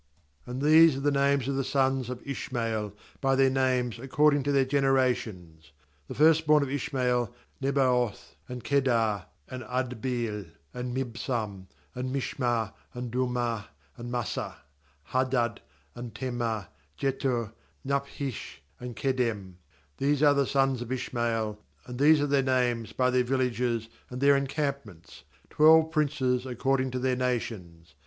^And these are the names of the sons of Ishmael, by their names, according to their gen erations: the first born of Ishmael, Nebaioth; and Kedar, and Adbeel, and Mibsam, 14and Mishma, and Du mah, and Massa; 1&Hadad, and Tema, Jetur, Naphish, and Kedem; ^hese are the sons of Ishmael, and these are their names, by their villages, ^ and by their encampments; twelve princes according to their nations.